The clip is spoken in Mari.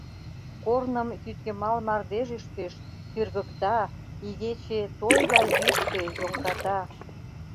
Корным йӱдйымал мардеж ӱштеш, тӱргыкта, игече той гай йӱштӧ, йоҥгата.